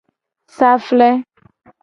Safle.